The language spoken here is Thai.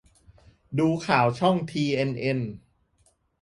ดูข่าวช่องทีเอ็นเอ็น